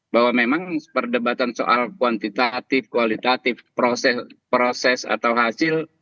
bahwa memang perdebatan soal kuantitatif kualitatif proses atau hasil